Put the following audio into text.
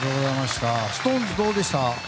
ＳｉｘＴＯＮＥＳどうでした？